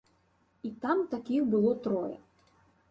І там такіх было трое.